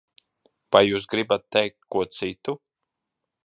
Vai jūs gribat teikt ko citu?